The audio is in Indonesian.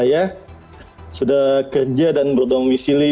yang menonton pertandingan langsung di luar negeri seperti ini